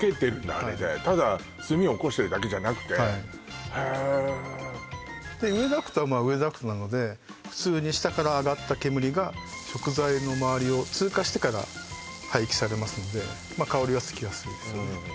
あれでただ炭おこしてるだけじゃなくてへえで上ダクトは上ダクトなので普通に下から上がった煙が食材のまわりを通過してから排気されますんでまっ香りはつきやすいですよね